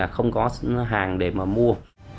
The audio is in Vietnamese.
không có hàng để mà mua